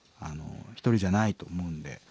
一人じゃないと思うんで。